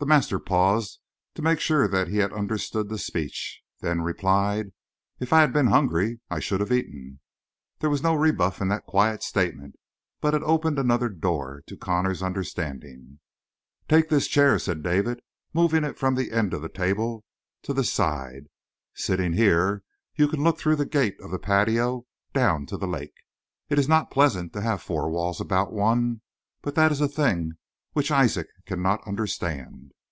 The master paused to make sure that he had understood the speech, then replied: "If I had been hungry I should have eaten." There was no rebuff in that quiet statement, but it opened another door to Connor's understanding. "Take this chair," said David, moving it from the end of the table to the side. "Sitting here you can look through the gate of the patio and down to the lake. It is not pleasant to have four walls about one; but that is a thing which Isaac cannot understand."